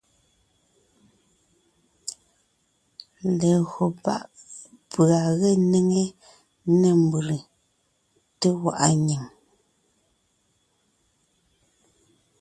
Legÿo pá’ pʉ̀a ge néŋe nê mbʉ́lè, té gwaʼa nyìŋ,